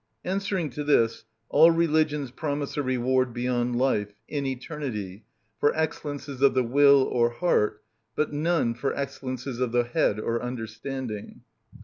Answering to this, all religions promise a reward beyond life, in eternity, for excellences of the will or heart, but none for excellences of the head or understanding.